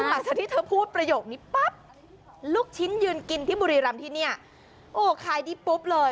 หลังจากที่เธอพูดประโยคนี้ปั๊บลูกชิ้นยืนกินที่บุรีรำที่เนี่ยโอ้ขายดีปุ๊บเลย